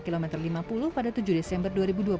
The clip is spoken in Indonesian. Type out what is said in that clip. kilometer lima puluh pada tujuh desember dua ribu dua puluh